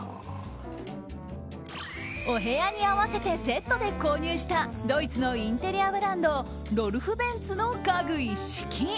お部屋に合わせてセットで購入したドイツのインテリアブランドロルフベンツの家具一式。